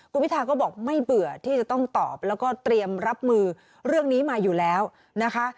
คุณพิทาก็บอกไม่เบื่อที่จะต้องตอบแล้วก็เตรียมรับมือเรื่องนี้มาอยู่แล้วนะคะ